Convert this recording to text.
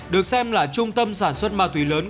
được xem là trung tâm sản xuất ma túy lớn